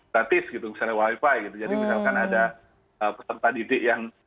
gratis gitu misalnya wifi gitu jadi misalkan ada peserta didik yang